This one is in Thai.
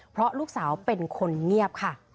เพราะลูกสาวเป็นคนเงียบค่ะ